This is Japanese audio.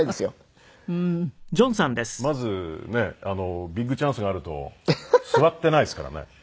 まずねえビッグチャンスがあると座っていないですからね。